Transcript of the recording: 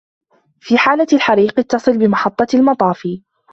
في حالة الحريق ، اتصل بمحظة المطافي.